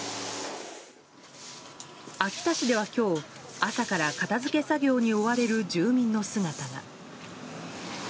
秋田市では今日朝から片付け作業に追われる住民の姿が。